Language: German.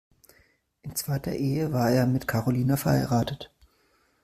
In zweiter Ehe war er mit Carolina verheiratet.